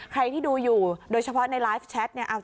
ใครที่ดูอยู่โดยเฉพาะในไลฟ์แชทเนี่ย